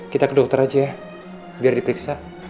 kita ke dokter aja biar diperiksa